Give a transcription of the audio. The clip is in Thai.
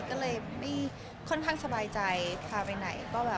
ก็เลยไม่ค่อนข้างสบายใจพาไปไหน